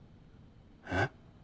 えっ？